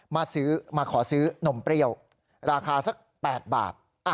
มาขอซื้อนมเปรี้ยวราคาสัก๘บาท